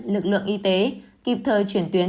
lực lượng y tế kịp thời chuyển tuyến